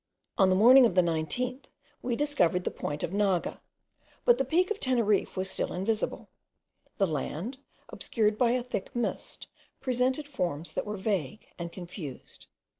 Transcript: On the morning of the 19th, we discovered the point of Naga, but the peak of Teneriffe was still invisible: the land, obscured by a thick mist, presented forms that were vague and confused.